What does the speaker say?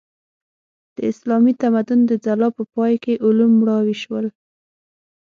د اسلامي تمدن د ځلا په پای کې علوم مړاوي شول.